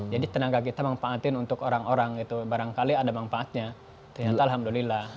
jadi tenaga kita mempaatin untuk orang orang gitu